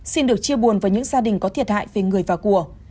xin được chia buồn với những gia đình có thiệt hại về người và của